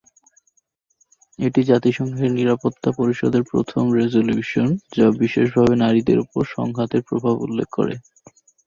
এটি জাতিসংঘের নিরাপত্তা পরিষদের প্রথম রেজোলিউশন, যা বিশেষভাবে নারীদের উপর সংঘাতের প্রভাব উল্লেখ করে।